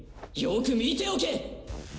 よく見ておけ！